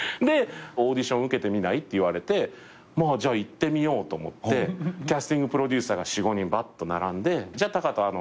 「オーディション受けてみない？」って言われてじゃあ行ってみようと思ってキャスティングプロデューサーが４５人バッと並んで「じゃあ学仁